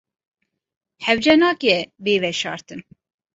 Hewce nake bê veşartin.